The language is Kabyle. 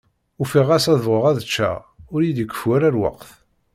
Ufiɣ ɣas ad bɣuɣ ad ččeɣ, ur yi-d-ikeffu ara lweqt.